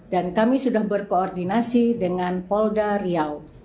dan kami sudah berkoordinasi dengan polda riau